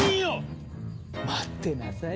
待ってなさい